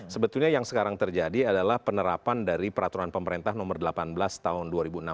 sebetulnya yang sekarang terjadi adalah penerapan dari peraturan pemerintah nomor delapan belas tahun dua ribu enam belas